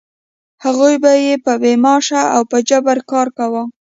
هغوی به بې معاشه او په جبر کار کاوه.